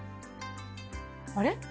あれ？